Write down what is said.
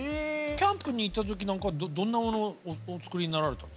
キャンプに行った時なんかはどんなものをお作りになられた？